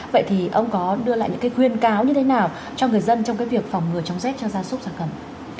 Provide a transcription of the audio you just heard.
vậy thì ông có đưa lại những cái khuyên cáo như thế nào cho người dân trong cái việc phòng ngừa chống rét cho gia súc gia cầm